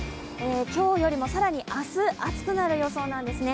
今日よりも更に明日、暑くなる予想なんですね。